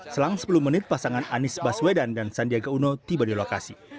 selang sepuluh menit pasangan anies baswedan dan sandiaga uno tiba di lokasi